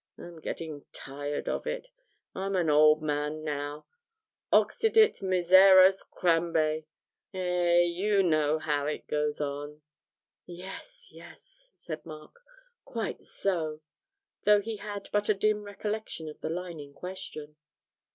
I'm getting very tired of it; I'm an old man now. "Occidit miseros crambe" eh, you know how it goes on?' 'Yes, yes,' said Mark, 'quite so,' though he had but a dim recollection of the line in question.